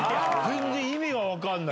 全然意味が分かんない。